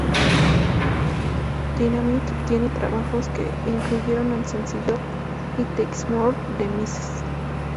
Dynamite, trabajos que incluyeron al sencillo "It takes more" de Ms.